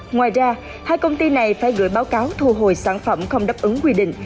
ngoài ra hai công ty này phải gửi báo cáo thu hồi sản phẩm không đáp ứng quy định